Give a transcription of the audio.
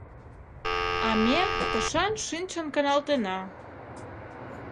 А ме тышан шинчын каналтена.